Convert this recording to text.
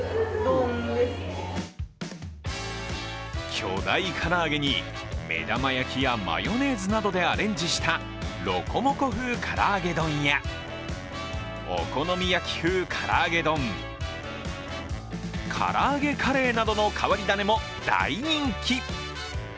巨大唐揚げに目玉焼きやマヨネーズなどでアレンジしたロコモコ風唐揚げ丼やお好み焼き風唐揚げ丼、唐揚げカレーなどの変わり種も大人気。